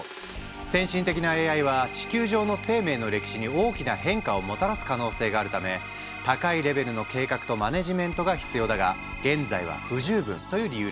「先進的なＡＩは地球上の生命の歴史に大きな変化をもたらす可能性があるため高いレベルの計画とマネジメントが必要だが現在は不十分」という理由らしい。